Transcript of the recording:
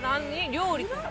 料理とか？